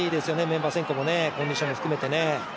メンバー選考もね、コンディションも含めてね。